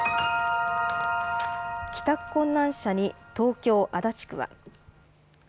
帰宅困難者に、東京足立区は。